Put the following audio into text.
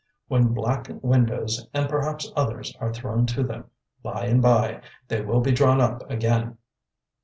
When Black Windows and perhaps others are thrown to them, by and by, they will be drawn up again."